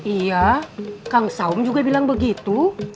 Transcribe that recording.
iya kang saum juga bilang begitu